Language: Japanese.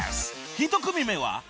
１組目は］